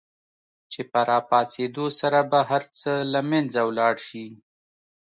چې په را پاڅېدو سره به هر څه له منځه ولاړ شي.